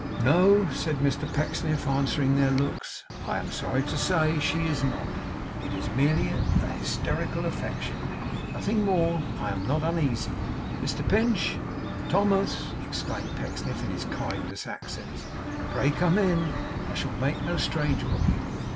No,' said Mr Pecksniff, answering their looks, 'I am sorry to say, she is not. It is merely an hysterical affection; nothing more, I am not uneasy. Mr Pinch! Thomas!' exclaimed Pecksniff, in his kindest accents. 'Pray come in. I shall make no stranger of you.